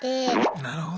なるほど。